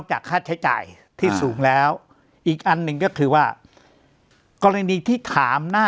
จากค่าใช้จ่ายที่สูงแล้วอีกอันหนึ่งก็คือว่ากรณีที่ถามหน้า